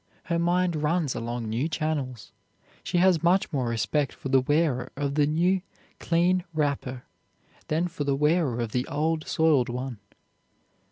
Her mind runs along new channels. She has much more respect for the wearer of the new, clean wrapper than for the wearer of the old, soiled one.